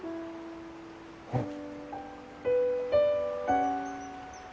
うん。